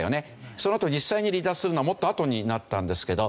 そのあと実際に離脱するのはもっとあとになったんですけど。